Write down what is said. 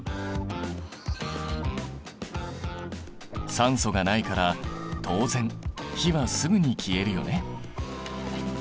酸素がないから当然火はすぐに消えるよね。